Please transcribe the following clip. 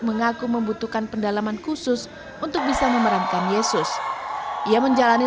mengaku membutuhkan pendalaman khusus untuk bisa memerankan yesus ia menjalani